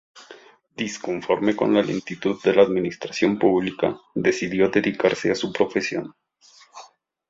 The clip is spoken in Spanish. Disconforme con la lentitud de la administración pública, decidió dedicarse a su profesión.